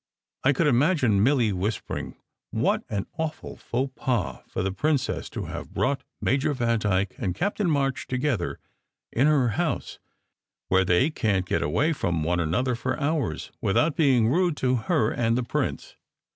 I could imagine Milly whispering: "What an awful fa ux pas for the princess to have brought Major Vandyke and Captain March together in her house, where they can t get away from one another for hours, with out being rude to her and the prince